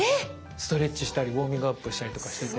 ストレッチしたりウォーミングアップしたりとかしてて。